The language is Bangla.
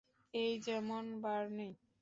এই যেমন বার্নি।